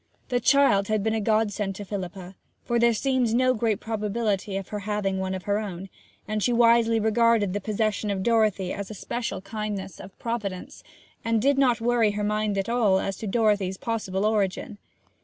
The child had been a godsend to Philippa, for there seemed no great probability of her having one of her own: and she wisely regarded the possession of Dorothy as a special kindness of Providence, and did not worry her mind at all as to Dorothy's possible origin.